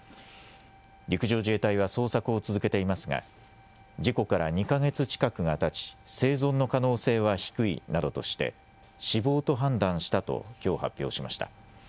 陸上自衛隊は捜索を続けていますが事故から２か月近くがたち生存の可能性は低いなどとしして死亡と判断したときょう発表しました。